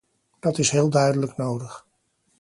Dat is heel duidelijk nodig.